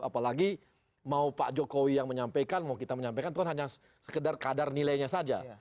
apalagi mau pak jokowi yang menyampaikan mau kita menyampaikan itu kan hanya sekedar kadar nilainya saja